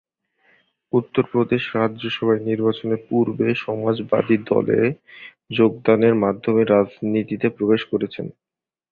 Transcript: উত্তরপ্রদেশ রাজ্যসভায় নির্বাচনের পূর্বে সমাজবাদী দলে যোগদানের মাধ্যমে রাজনীতিতে প্রবেশ করেন।